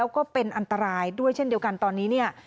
แล้วก็เป็นอันตรายด้วยเช่นเดียวกันตอนนี้เนี่ย